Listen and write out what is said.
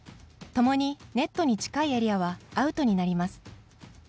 ネットに近いエリアはアウトになります。